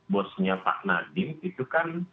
bosnya pak nadiem itu kan